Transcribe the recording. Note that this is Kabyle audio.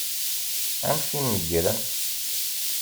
Amek i meggren?